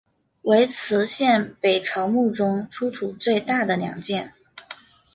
为磁县北朝墓中出土最大的两件。